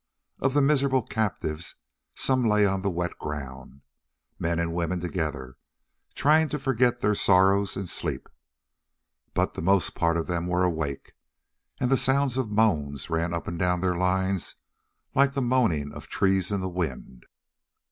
Of the miserable captives some lay on the wet ground, men and women together, trying to forget their sorrows in sleep; but the most part of them were awake, and the sound of moans ran up and down their lines like the moaning of trees in the wind.